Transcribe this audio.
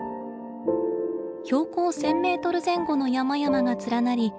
標高１，０００メートル前後の山々が連なり